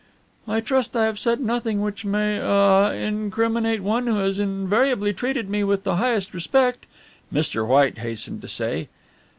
"I trust I have said nothing which may ah incriminate one who has invariably treated me with the highest respect," Mr. White hastened to say.